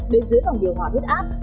đến dưới vòng điều hòa huyết áp